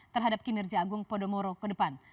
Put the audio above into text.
terhadap kinerja agung podomoro ke depan